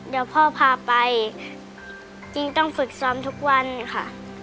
เดี๋ยวพ่อพาไปจริงต้องฝึกซ้อมทุกวันค่ะ